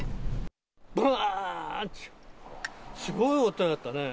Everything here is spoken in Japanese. ばーんって、すごい音だったね。